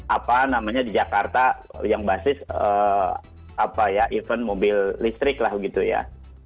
apa namanya di jakarta yang basis apa ya event mobil listrik lah gitu ya